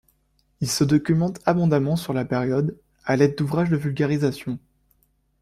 Il se documente abondamment sur la période à l'aide d'ouvrages de vulgarisation.